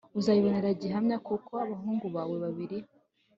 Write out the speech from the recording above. uzabibonera gihamya kuko abahungu bawe babiri